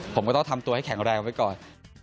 ผมก็ต้องทำตัวให้แข็งแรงไว้ก่อน